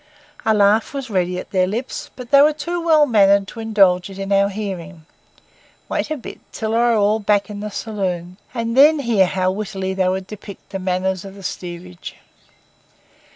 A laugh was ready at their lips; but they were too well mannered to indulge it in our hearing. Wait a bit, till they were all back in the saloon, and then hear how wittily they would depict the manners of the steerage.